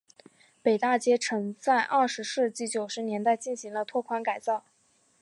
北大街曾在二十世纪九十年代进行了拓宽改造。